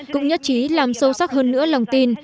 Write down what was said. cũng nhất trí làm sâu sắc hơn nữa lòng tin